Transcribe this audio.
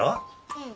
うん。